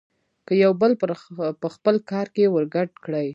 که يو بل په خپل کار کې ورګډ کړي.